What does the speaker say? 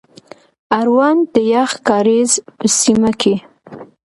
اړوند د يخ کاريز په سيمه کي،